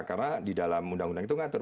karena di dalam undang undang itu ngatur